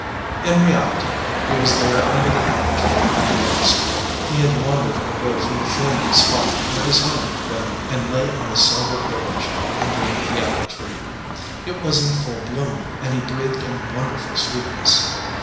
In reality he was there under the apple tree at last. He had wandered away from the flaming spot where his home had been, and lay on the silver herbage under the apple tree. It was in full bloom and he breathed in wonderful sweetness.